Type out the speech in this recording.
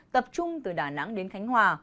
tập trung từ đà nẵng đến khánh hòa